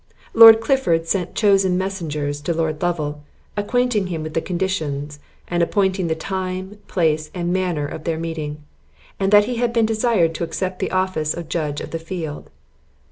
Lord Clifford sent chosen messengers to Lord Lovel, acquainting him with the conditions, and appointing the time, place, and manner of their meeting, and that he had been desired to accept the office of judge of the field.